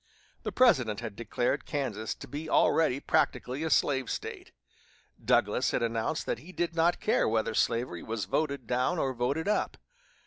The President had declared Kansas to be already practically a slave State. Douglas had announced that he did not care whether slavery was voted down or voted up.